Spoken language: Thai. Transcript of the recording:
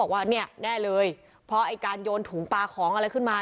ว่าเนี่ยแน่เลยเพราะไอ้การโยนถุงปลาของอะไรขึ้นมา